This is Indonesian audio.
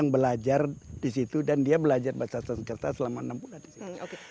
belajar di situ dan dia belajar bahasa sengketa selama enam bulan di situ